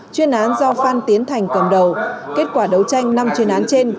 chuyên án do phan tiến thành cầm đầu kết quả đấu tranh năm chuyên án trên